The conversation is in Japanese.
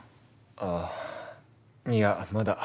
あぁいやまだ。